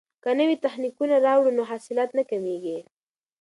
که نوي تخنیکونه راوړو نو حاصلات نه کمیږي.